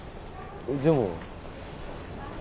でも。